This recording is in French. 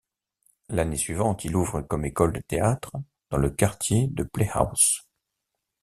L'année suivante il ouvre comme école de théâtre dans le quartier de Playhouse.